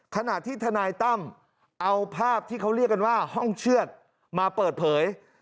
ขณะที่ทนายตั้มเอาภาพที่เขาเรียกกันว่าห้องเชือดมาเปิดเผย